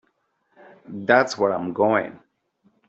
That's where I'm going.